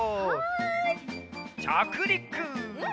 ちゃくりく！